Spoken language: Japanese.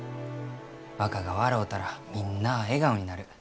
若が笑うたらみんなあ笑顔になる。